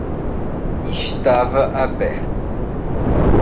Estava aberto